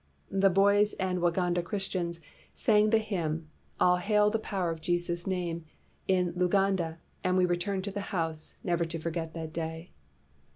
The boys and Waganda Christians sang the hymn, 'All hail the power of Jesus' name,' in Luganda, and we returned to the house, never to forget that day.